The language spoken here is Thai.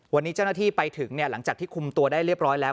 วันนี้เจ้าหน้าที่ไปถึงหลังจากที่คุมตัวได้เรียบร้อยแล้ว